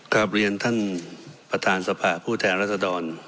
กลับเรียนท่านประธานสภาผู้แทนรัศดร